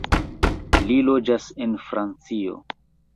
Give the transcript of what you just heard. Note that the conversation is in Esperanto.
Li loĝas en Francio.